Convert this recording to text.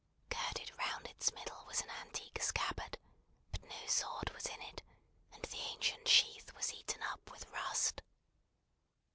Girded round its middle was an antique scabbard; but no sword was in it, and the ancient sheath was eaten up with rust.